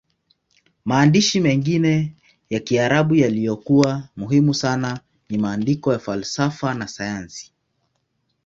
Maandishi mengine ya Kiarabu yaliyokuwa muhimu sana ni maandiko ya falsafa na sayansi.